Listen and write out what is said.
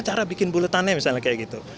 itu gimana cara bikin buletannya misalnya kayak gitu